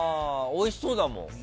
おいしそうだもん。